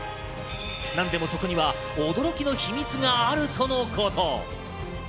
何でもそこには驚きの秘密があるとのこと。